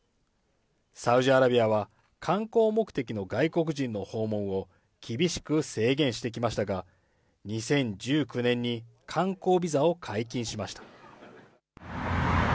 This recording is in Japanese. サウジアラビアは、観光目的の外国人の訪問を厳しく制限してきましたが、２０１９年に観光ビザを解禁しました。